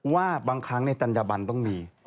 ว่าบางครั้งในจัญญบันต้องมี